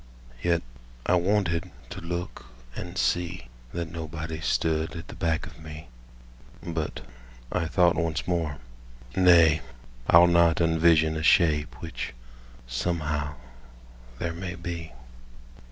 Yet I wanted to look and see That nobody stood at the back of me; But I thought once more: "Nay, I'll not unvision A shape which, somehow, there may be."